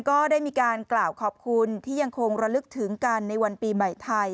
ก็ได้มีการกล่าวขอบคุณที่ยังคงระลึกถึงกันในวันปีใหม่ไทย